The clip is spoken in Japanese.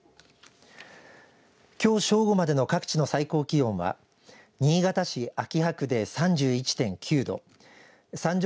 きょう正午までの各地の最高気温は新潟市秋葉区で３１．９度三条